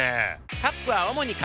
カップは主に紙。